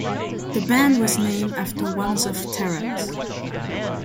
The band was named after wands of tarot.